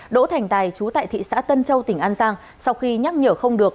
đỗ thành tài chú tại thị xã tân châu tỉnh an giang sau khi nhắc nhở không được